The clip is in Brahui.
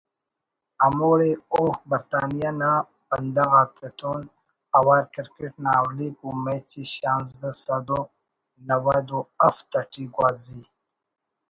ہموڑے اوفک برطانیہ نا بندغ آتتون اوار کرکٹ نا اولیکو میچ ءِ شانزدہ سد و نود و ہفت اٹی گوازی